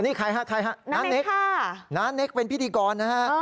นี่ใครฮะใครฮะน้าเน็กน้าเน็กเป็นพิธีกรนะฮะ